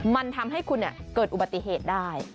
มันทำให้คุณเกิดอุบัติเหตุได้